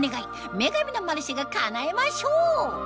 『女神のマルシェ』がかなえましょう